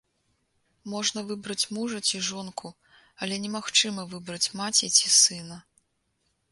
Можна выбраць мужа ці жонку, але немагчыма выбраць маці ці сына.